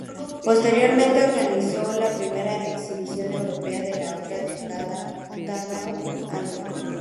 Posteriormente organizó la primera exhibición europea de la obra de Tadao Ando.